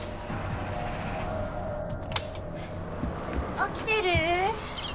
起きてる？